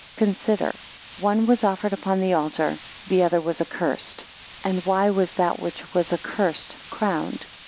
Consider; one was offered upon the altar, the other was accursed. 11 And why was that which was accursed crowned?